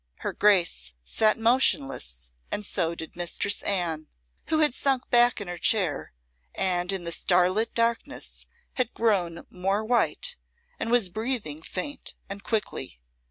Her Grace sate motionless and so did Mistress Anne, who had sunk back in her chair, and in the starlit darkness had grown more white, and was breathing faint and quickly.